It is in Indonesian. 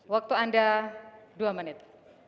waktu anda dua menit